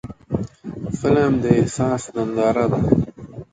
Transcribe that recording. فلم د احساس ننداره ده